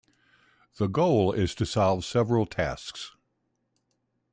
The goal is to solve several tasks.